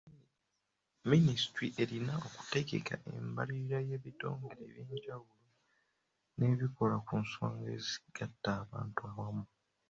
Minisitule erina okutegeka embalirira ey'ebitongole ebyabulijjo n'ebikola ku nsonga ezigatta abantu awamu.